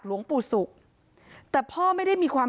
เป็นพระรูปนี้เหมือนเคี้ยวเหมือนกำลังทำปากขมิบท่องกระถาอะไรสักอย่าง